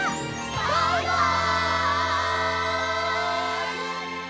バイバイ！